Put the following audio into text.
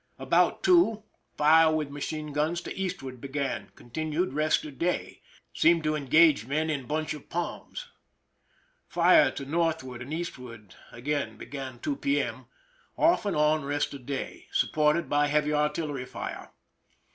About 2, fire with machine guns to eastward began. Continued rest of day. Seem to engage men in bunch of palms. Fire to northward and eastward again about 2 p. m. ; off and on rest of day. Supported by heavy artillery fire.